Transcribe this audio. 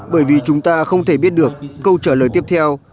bởi vì chúng ta không thể biết được câu trả lời tiếp theo